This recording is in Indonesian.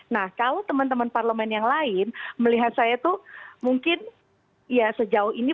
nah kalau teman teman parlemen yang lain melihat saya tuh mungkin ya sejauh ini